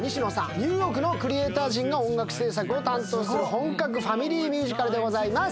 ニューヨークのクリエイター陣が音楽制作を担当する本格ファミリーミュージカルでございます